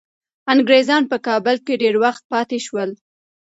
انګریزان په کابل کي ډیر وخت پاتې شول.